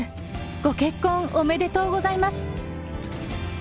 ご結婚おめでとうございます。